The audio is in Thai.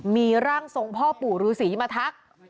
มีร่างทรงพ่อปู่ฤษีมาทัก